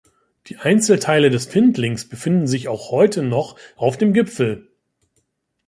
Die Einzelteile des Findlings befinden sich auch heute noch auf dem Gipfel.